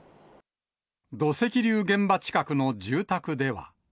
土石流現場近くの住宅では。